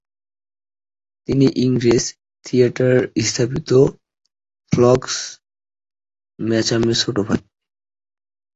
তিনি ইংরেজ থিয়েটার স্থপতি ফ্রাঙ্ক মিচ্যামের ছোট ভাই।